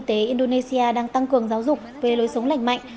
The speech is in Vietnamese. bộ y tế indonesia đang tăng cường giáo dục về lối sống lệnh mạnh